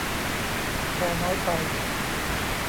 แปลน้อยไป